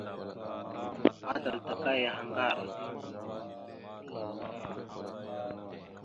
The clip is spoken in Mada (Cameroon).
Atal taka yaha ŋgar.